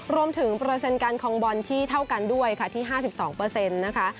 รวมถึงเปรดเซ็นต์กันของบอลที่เท่ากันด้วยที่๕๒นะคะ